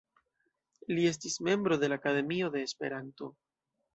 Li estis membro de la Akademio de Esperanto.